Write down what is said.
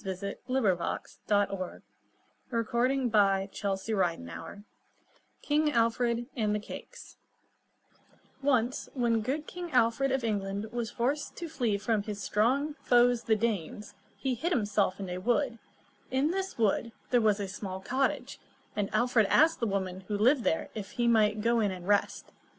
[Illustration: QUEEN BOADICEA AND HER SOLDIERS] =King Alfred and the Cakes= Once, when good King Alfred of England was forced to flee from his strong foes the Danes, he hid himself in a wood. In this wood, there was a small cottage, and Alfred asked the woman who lived there if he might go in and rest.